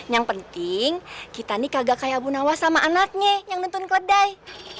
yang penting kita nih kagak kaya abu nawas sama anaknya yang nuntun keledai